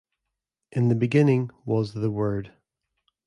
In the beginning was the Word.